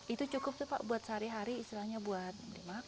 itu cukup sih pak buat sehari hari istilahnya buat beli makan